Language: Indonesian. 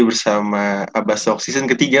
bersama abastok season ketiga